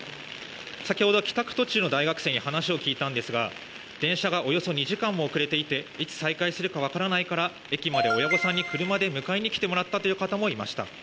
先ほど、帰宅途中の大学生に話を聞いたんですが電車がおよそ２時間も遅れていていつ再開するか分からないから駅まで親御さんに迎えに来てもらったという方もいました。